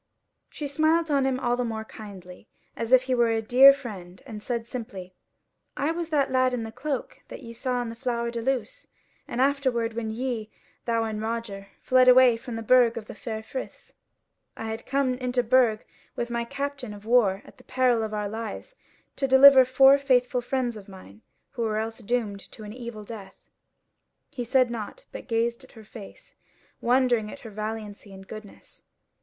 She smiled on him still more kindly, as if he were a dear friend, and said simply: "I was that lad in the cloak that ye saw in the Flower de Luce; and afterwards when ye, thou and Roger, fled away from the Burg of the Four Friths. I had come into the Burg with my captain of war at the peril of our lives to deliver four faithful friends of mine who were else doomed to an evil death." He said nought, but gazed at her face, wondering at her valiancy and goodness.